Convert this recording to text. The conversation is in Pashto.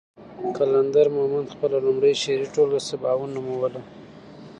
قلندر مومند خپله لومړۍ شعري ټولګه سباوون نوموله.